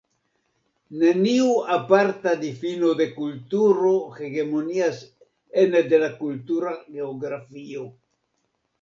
Neniu aparta difino de kulturo hegemonias ene de la kultura geografio.